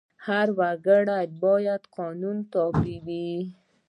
هر وګړی باید د قانون تابع وي.